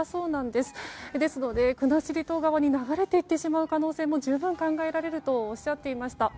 ですので国後島側に流れていってしまう可能性も十分考えられるとおっしゃっていました。